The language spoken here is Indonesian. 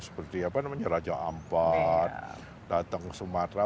seperti apa namanya raja ampat datang ke sumatera